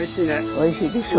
おいしいでしょ。